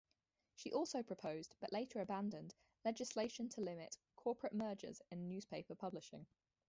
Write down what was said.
She also proposed, but later abandoned, legislation to limit corporate mergers in newspaper publishing.